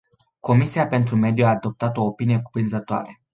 Comisia pentru mediu a adoptat o opinie cuprinzătoare.